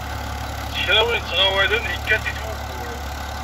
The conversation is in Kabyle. Kra n win ittɣawalen, yekkat-it wugur.